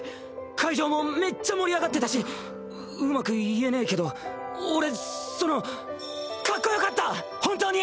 会場もめっちゃ盛り上がってたしうまく言えねぇけど俺そのかっこよかった本当に！